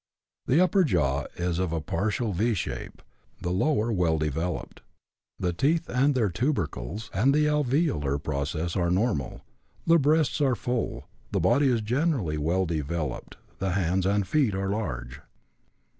The upper jaw is of partial V shape, the lower well developed. The teeth and their tubercles and the alveolar process are normal. The breasts are full. The body is generally well developed; the hands and feet are large.